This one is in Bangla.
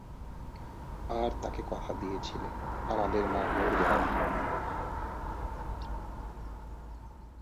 আর তাকে কথা দিয়েছিলে - আমাদের মা মরবে না।